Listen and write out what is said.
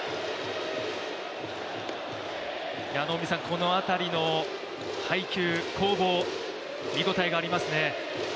この辺りの配球、攻防、見応えがありますね。